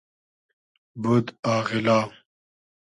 بود آغیلا